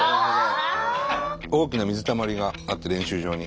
大きな水たまりがあって練習場に。